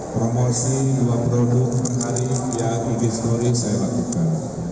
promosi dua produk per hari ya di history saya lakukan